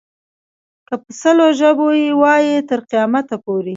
که په سل ژبو یې وایې تر قیامته پورې.